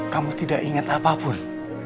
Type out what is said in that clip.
kamu tidak ingat apapun